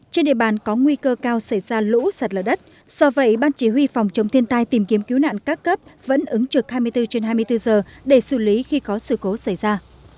trên địa bàn có nguy cơ cao xảy ra lũ sạt lở đất do vậy ban chỉ huy phòng chống thiên tai tìm kiếm cứu nạn các cấp vẫn ứng trực hai mươi bốn trên hai mươi bốn giờ để xử lý khi có sự cố xảy ra